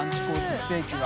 ステーキは？